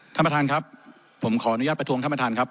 ท่านประธานครับผมขออนุญาตประท้วงท่านประธานครับ